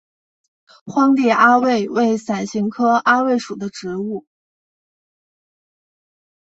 荒地阿魏为伞形科阿魏属的植物。